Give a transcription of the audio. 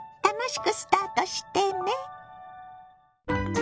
楽しくスタートしてね。